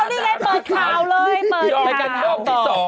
เอานี่ไงเปิดข่าวเลยเปิดข่าว